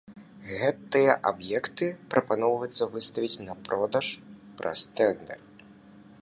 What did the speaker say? Гэтыя аб'екты прапаноўваецца выставіць на продаж праз тэндэр.